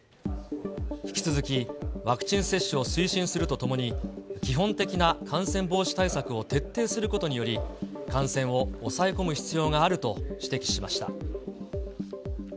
引き続き、ワクチン接種を推進するとともに、基本的な感染防止対策を徹底することにより、感染を抑え込む必要があると指摘しました。